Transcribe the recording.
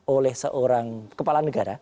oleh seorang kepala negara